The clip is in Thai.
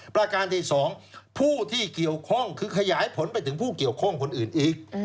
ประการที่๒ผู้ที่เกี่ยวข้องคือขยายผลไปถึงผู้เกี่ยวข้องคนอื่นอีก